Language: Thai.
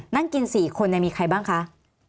นั่งกิน๔คนมีใครบ้างคะ